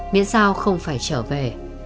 miễn sao không phải trở về